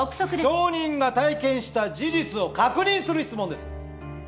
証人が体験した事実を確認する質問です。